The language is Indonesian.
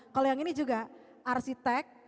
kalau yang ini juga arsitek